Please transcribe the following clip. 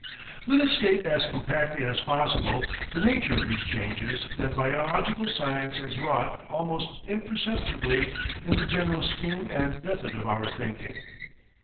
Let us state as compactly as possible the nature of these changes that biological science has wrought almost imperceptibly in the general scheme and method of our thinking.